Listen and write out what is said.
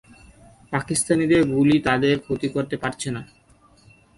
পাকিস্তানিদের গুলি তাদের ক্ষতি করতে পারছে না।